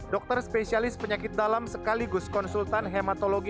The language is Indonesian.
dokter spesialis penyakit dalam sekaligus konsultan hematologi